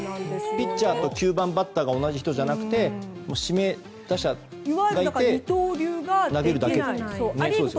ピッチャーとバッターが同じ人ではなくて指名打者がいて投げるだけと。